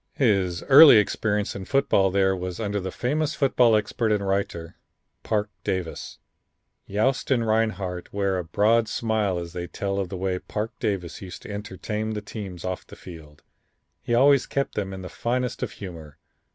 His early experience in football there was under the famous football expert and writer, Parke Davis. Yost and Rinehart wear a broad smile as they tell of the way Parke Davis used to entertain teams off the field. He always kept them in the finest of humor.